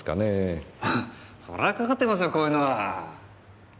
そらかかってますよこういうのは。